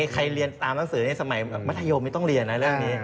ใครเรียนตามหนังสือในสมัยมัธยมไม่ต้องเรียนนะเรื่องนี้